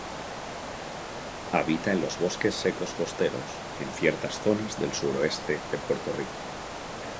Habita en los bosques secos costeros en ciertas zonas del suroeste de Puerto Rico.